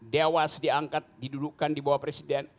dewas diangkat didudukan di bawah presiden